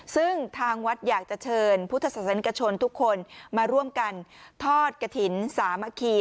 ซึ่งทางวัดอยากจะเชิญพุทธศาสนิกชนทุกคนมาร่วมกันทอดกระถิ่นสามัคคี